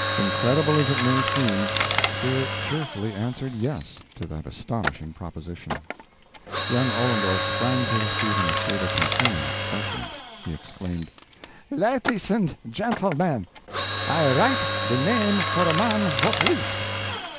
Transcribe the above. Incredible as it may seem, the spirit cheerfully answered yes to that astonishing proposition. Young Ollendorf sprang to his feet in a state of consuming excitement. He exclaimed: "Laties and shentlemen! I write de name for a man vot lifs!